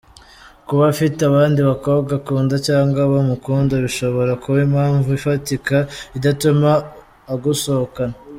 Kuba afite abandi bakobwa akunda cyangwa bamukunda, bishobora kuba impamvu ifatika idatuma agusohokana.